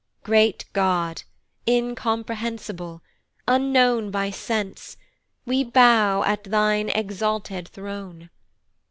Great God, incomprehensible, unknown By sense, we bow at thine exalted throne.